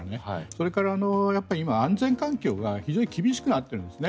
それから、今、安全環境が非常に厳しくなってますね。